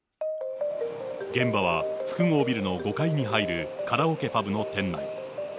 現場は、複合ビルの５階に入るカラオケパブの店内。